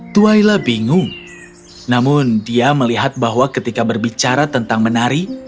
twaila bingung namun dia melihat bahwa ketika berbicara tentang menari